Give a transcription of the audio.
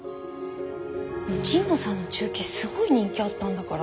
神野さんの中継すごい人気あったんだから。